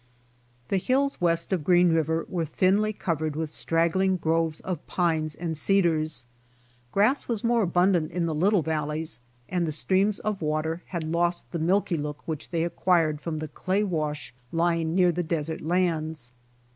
The hills west of Green river were thinly covered with straggling groves of pines and cedars. Grass was more abundant in the little valleys, and the streams of water had lost the milky look which they acquired from the clay wash lying near the desert lands.